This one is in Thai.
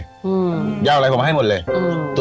อย่าเอาอะไรผมให้หมดเลย